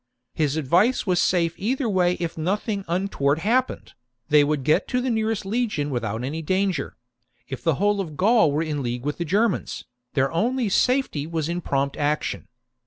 His advice was safe either way : if nothing untoward happened, they would get to the nearest legion without any danger ; if the whole of Gaul were in league with the Germans, their only safety was in prompt action.